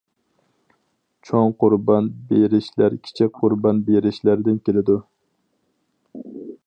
چوڭ قۇربان بېرىشلەر كىچىك قۇربان بېرىشلەردىن كېلىدۇ.